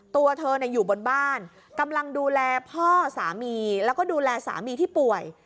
ตัวเธออยู่บนบ้านกำลังดูแลพ่อสามีแล้วก็ดูแลสามีที่ป่วย